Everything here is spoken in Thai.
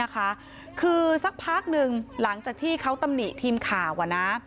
คือสักพักหนึ่งหลังจากที่เขาตำหนิทีมข่าว